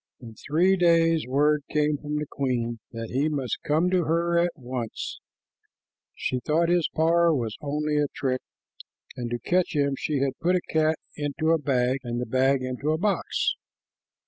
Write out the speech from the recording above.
In three days word came from the queen that he must come to her at once. She thought his power was only a trick, and to catch him she had put a cat into a bag and the bag into a box.